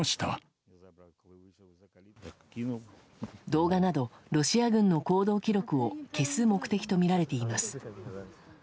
動画などロシア軍の行動記録を消す目的とみられています。